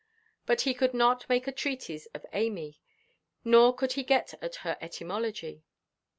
But he could not make a treatise of Amy, nor could he get at her etymology.